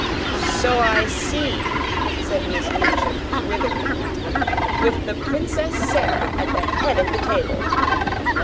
"So I see," said Miss Minchin, witheringly. "With the Princess Sara at the head of the table."